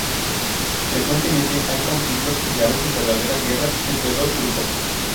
Frecuentemente hay conflictos y a veces verdaderas guerras entre dos grupos.